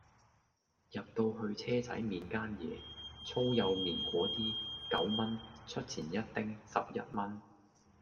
入到去車仔麵間野粗幼麵果啲九蚊出前一丁十一蚊